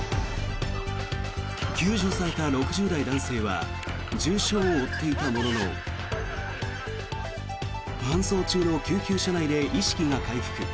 救助された６０代男性は重傷を負っていたものの搬送中の救急車内で意識が回復。